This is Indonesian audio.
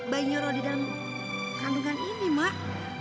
bayinya ro di dalam kandungan ini mak